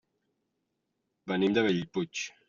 Venim de Bellpuig.